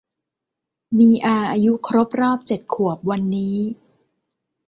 มีอาอายุครบรอบเจ็ดขวบวันนี้